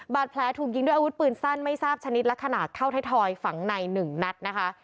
บาดแผลถูกยิงด้วยอาวุธปืนสั้นไม่ทราบชนิดและขนาดเข้าไทยทอยฝังใน๑นัดนะคะ